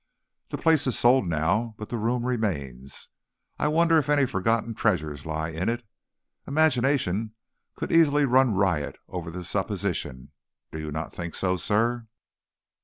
The place is sold now, but the room remains. I wonder if any forgotten treasures lie in it. Imagination could easily run riot over the supposition, do you not think so, sir?'